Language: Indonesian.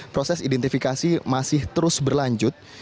proses identifikasi masih terus berlanjut